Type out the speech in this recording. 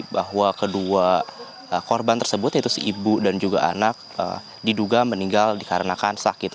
bahwa kedua korban tersebut yaitu si ibu dan juga anak diduga meninggal dikarenakan sakit